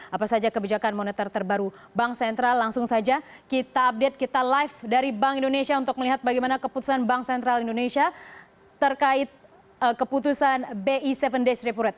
apa saja kebijakan moneter terbaru bank sentral langsung saja kita update kita live dari bank indonesia untuk melihat bagaimana keputusan bank sentral indonesia terkait keputusan bi tujuh days repo rate